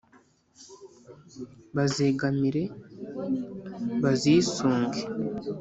bazegamire: bazisunge